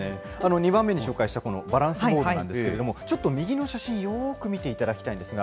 ２番目に紹介した、このバランスボールなんですけれども、ちょっと右の写真、よーく見ていただきたいんですが。